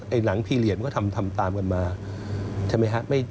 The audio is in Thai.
ไอ้หนังพิเรียตก็ทำตามกันมาใช่ไหมฮะ